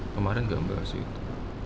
kemarin enggak membahas itu